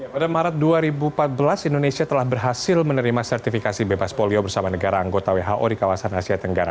pada maret dua ribu empat belas indonesia telah berhasil menerima sertifikasi bebas polio bersama negara anggota who di kawasan asia tenggara